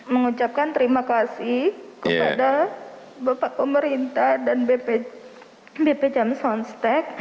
mengucapkan terima kasih kepada bapak pemerintah dan bp jamsonstek